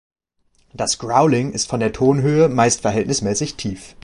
Das Growling ist von der Tonhöhe meist verhältnismäßig tief.